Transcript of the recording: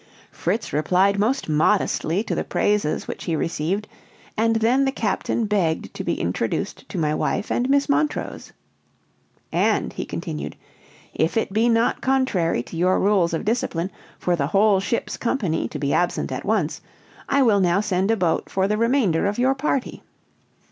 Fritz replied most modestly to the praises which he received, and then the captain begged to be introduced to my wife and Miss Montrose. "And," he continued, "if it be not contrary to your rules of discipline for the whole ship's company to be absent at once, I will now send a boat for the remainder of your party."